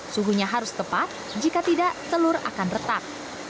suhunya harus tepat jika tidak telur akan retak